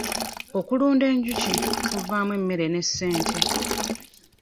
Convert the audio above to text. Okulunda enjuki kuvaamu emmere ne ssente.